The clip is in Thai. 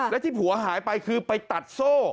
และที่ผัวหายไปคือไปตัดโซ่